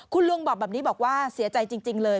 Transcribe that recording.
คุณลุงบอกแบบนี้บอกว่าเสียใจจริงเลย